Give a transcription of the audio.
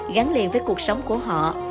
gắn liền với cuộc sống của họ